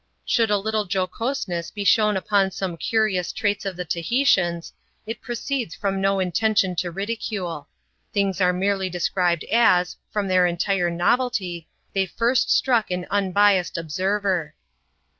Should a little jocoseness be shown upon som^ curious traits of the Tahitians, it proceeds from no intention to ridicule : things are merely described as^ from their entire novelty, they first struck an unbiassed observer.